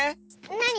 なに？